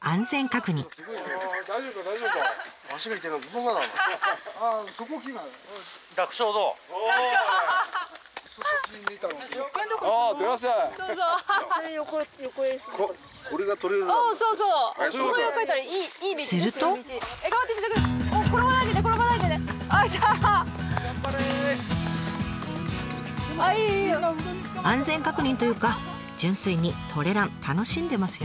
安全確認というか純粋にトレラン楽しんでますよね。